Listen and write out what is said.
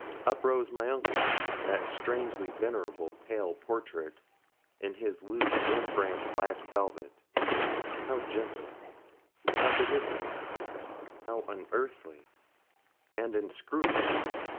Up rose my uncle, that strangely venerable, pale portrait, in his loose Rembrandt black velvet. How gentle, how benignant, how unearthly, and inscrutable!